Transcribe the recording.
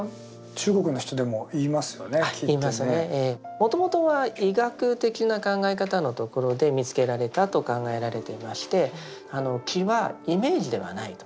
もともとは医学的な考え方のところで見つけられたと考えられていまして気はイメージではないと。